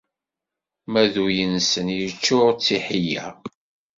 Ma d ul-nsen iččur d tiḥila.